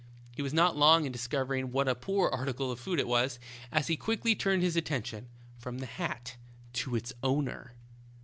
He was not long in dis covering what a poor article of food it was, as he quickly turned his attention from the hat to its owner.